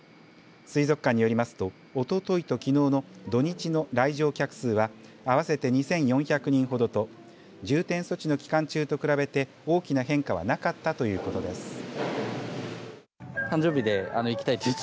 水族館によりますとおとといときのうの土日の来場客数は合わせて２４００人ほどと重点措置の期間中と比べて大きな変化はなかったということです。